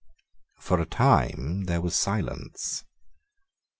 For a time there was silence.